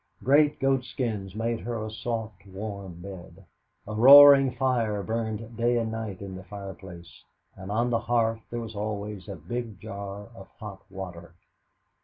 Great goat skins made her a soft, warm bed; a roaring fire burned day and night in the fireplace; and on the hearth there was always a big jar of hot water.